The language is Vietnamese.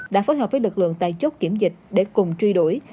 đã phối hợp với lực lượng tại chốt kiểm dịch để cùng truy đuổi